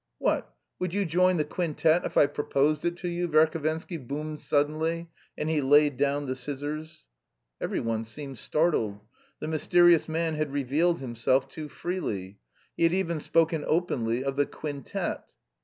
"What, would you join the quintet if I proposed it to you?" Verhovensky boomed suddenly, and he laid down the scissors. Every one seemed startled. The mysterious man had revealed himself too freely. He had even spoken openly of the "quintet."